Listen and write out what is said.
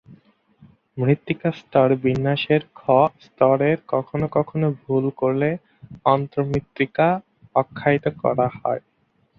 মৃত্তিকা স্তর বিন্যাসের ‘খ’ স্তরকে কখনও কখনও ভুল করে অন্তর্মৃত্তিকা আখ্যায়িত করা হয়।